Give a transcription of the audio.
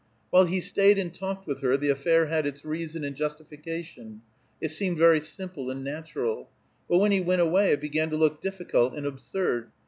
While he stayed and talked with her the affair had its reason and justification; it seemed very simple and natural; but when he went away it began to look difficult and absurd.